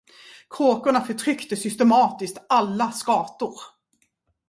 Kråkorna förtryckte systematiskt alla skator.